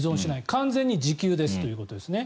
完全に自給ですということですね。